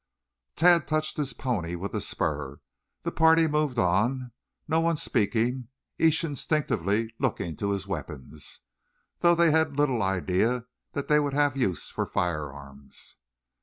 Tad touched his pony with the spur. The party moved on, no one speaking, each instinctively looking to his weapons, though they had little idea that they would have use for firearms.